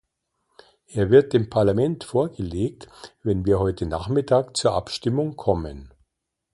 Er wird dem Parlament vorgelegt, wenn wir heute Nachmittag zur Abstimmung kommen.